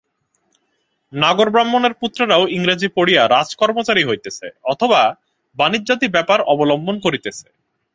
নাগর ব্রাহ্মণের পুত্রেরাও ইংরেজী পড়িয়া রাজকর্মচারী হইতেছে, অথবা বাণিজ্যাদি ব্যাপার অবলম্বন করিতেছে।